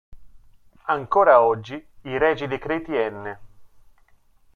Ancora oggi i Regi Decreti n.